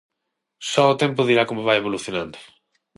Só o tempo dirá como vai evolucionando.